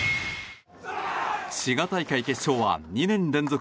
滋賀大会決勝は２年連続